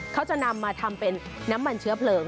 เขาจะนำมาทำเป็นน้ำมันเชื้อเพลิง